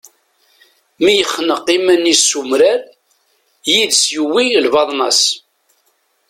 Mi yexneq iman-is s umrar, yid-s yuwi lbaḍna-s.